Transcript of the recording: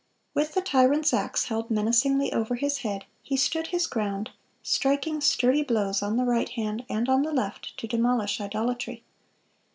With the tyrant's axe held menacingly over his head, he stood his ground, striking sturdy blows on the right hand and on the left to demolish idolatry.